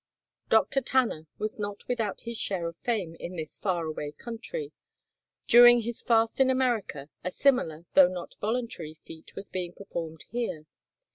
Dr. Tanner was not without his share of fame in this far away country. During his fast in America, a similar, though not voluntary, feat was being performed here.